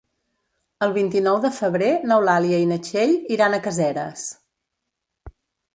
El vint-i-nou de febrer n'Eulàlia i na Txell iran a Caseres.